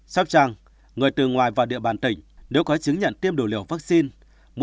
sóc trăng người từ ngoài vào địa bàn tỉnh nếu có chứng nhận tiêm đủ liều vaccine